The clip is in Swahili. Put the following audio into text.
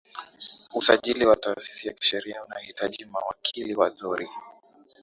usajili wa taasisi ya kisheria unahitaji mawakili wazuri